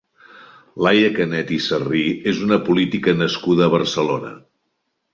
Laia Canet i Sarri és una política nascuda a Barcelona.